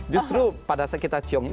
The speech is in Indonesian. justru pada saat kita cium ini